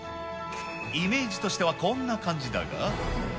イメージとしてはこんな感じだが。